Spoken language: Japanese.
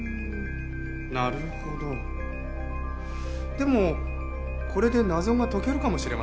でもこれで謎が解けるかもしれません。